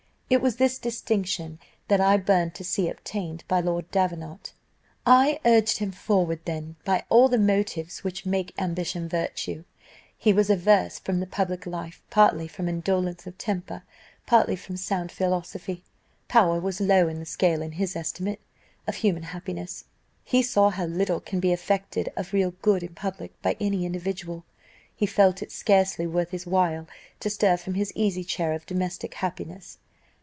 It was this distinction that I burned to see obtained by Lord Davenant; I urged him forward then by all the motives which make ambition virtue. He was averse from public life, partly from indolence of temper, partly from sound philosophy: power was low in the scale in his estimate of human happiness; he saw how little can be effected of real good in public by any individual; he felt it scarcely worth his while to stir from his easy chair of domestic happiness.